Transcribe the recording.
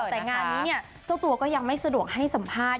แต่งานนี้เนี่ยเจ้าตัวก็ยังไม่สะดวกให้สัมภาษณ์